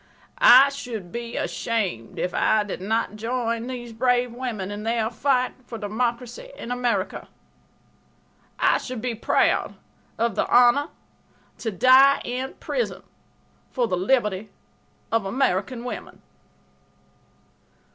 I should be ashamed if I did not join these brave women in their fight for democracy in America. I should be proud of the honor to die in prison for the liberty of American women."